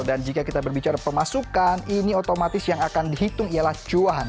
dan jika kita berbicara pemasukan ini otomatis yang akan dihitung ialah cuahan